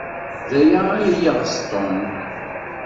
D aya ay yeɣs Tom.